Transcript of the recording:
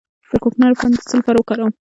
د کوکنارو پاڼې د څه لپاره وکاروم؟